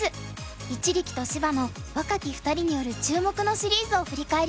一力と芝野若き２人による注目のシリーズを振り返ります。